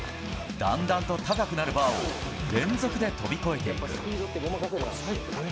だんだんと高くなるバーを、連続で飛び越えていく。